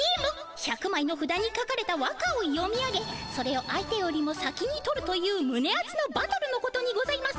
１００まいのふだに書かれた和歌を読み上げそれを相手よりも先に取るというむねあつのバトルのことにございます。